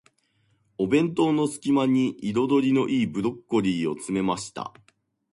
お弁当の隙間に、彩りの良いブロッコリーを詰めました。